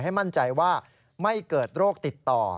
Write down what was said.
ให้มั่นใจว่าไม่เกิดโรคติดต่อ